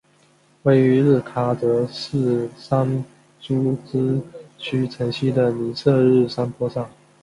位于日喀则市桑珠孜区城西的尼色日山坡上。